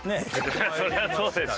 そりゃそうでしょ。